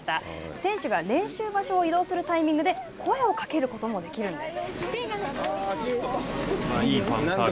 選手が練習場所を移動するタイミングで声をかけることもできるんです。